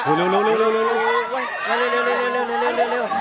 คุณคุณช่วยด้วย